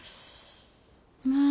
まあ。